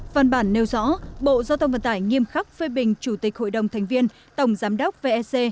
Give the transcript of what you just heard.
văn bản nêu rõ bộ giao thông vận tải nghiêm khắc phê bình chủ tịch hội đồng thành viên tổng giám đốc vec